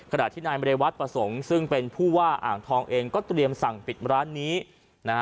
ขณะที่นายมเรวัตประสงค์ซึ่งเป็นผู้ว่าอ่างทองเองก็เตรียมสั่งปิดร้านนี้นะฮะ